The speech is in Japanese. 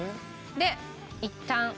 でいったん。